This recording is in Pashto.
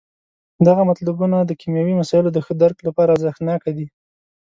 دغه مطلبونه د کیمیاوي مسایلو د ښه درک لپاره ارزښت ناکه دي.